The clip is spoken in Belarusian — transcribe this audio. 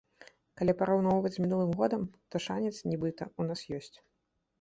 Калі параўноўваць з мінулым годам, то шанец, нібыта, у нас ёсць.